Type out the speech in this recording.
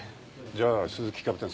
じゃあ鈴木キャプテン